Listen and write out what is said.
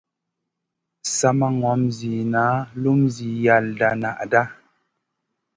Sa ma ŋom ziyna lum zi yalda naaɗa.